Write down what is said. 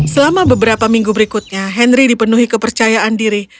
selama beberapa minggu berikutnya henry dipenuhi kepercayaan diri